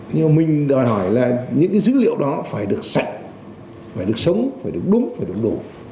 nhưng mà mình đòi hỏi là những cái dữ liệu đó phải được sạch phải được sống phải được đúng phải được đủ